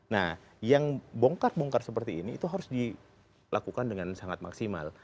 nah yang bongkar bongkar seperti ini itu harus dilakukan dengan sangat maksimal